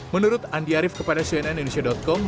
menurut andi arief kepada cnn indonesia com